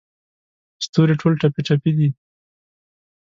ستوري ټول ټپې، ټپي دی